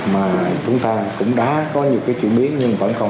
mà chúng ta cũng đã có nhiều cái chuyển biến nhưng vẫn không